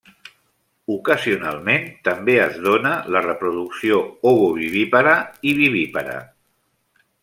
Ocasionalment també es dóna la reproducció ovovivípara i vivípara.